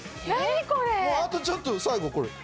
もうあとちょっと最後これ。